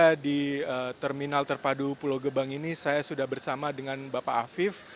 saya di terminal terpadu pulau gebang ini saya sudah bersama dengan bapak afif